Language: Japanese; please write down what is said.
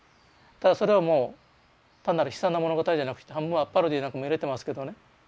ただそれはもう単なる悲惨な物語じゃなくて半分はパロディーなんかも入れてますけどね。